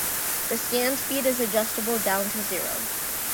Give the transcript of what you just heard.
The scan speed is adjustable down to zero.